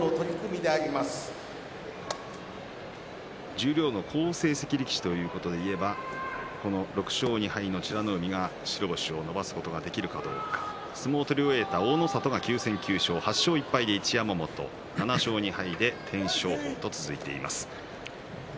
十両の好成績力士ということでいえば６勝２敗の美ノ海が白星を伸ばすことができるかどうか相撲を取り終えた大の里は９戦９勝８勝１敗で一山本７勝２敗で天照鵬と続いています。